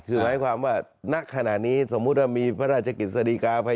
คือหมายความว่าณขณะนี้สมมุติว่ามีพระราชกฤษฎีกาภัย